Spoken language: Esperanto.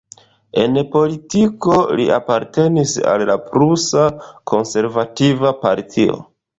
En politiko, li apartenis al la prusa konservativa partio.